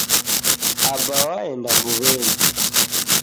Aba waenda mbuwenyi